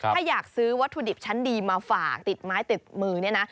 ถ้าอยากซื้อวัตถุดิบชั้นดีมาฝากติดไม้ติดมือเนี่ยนะ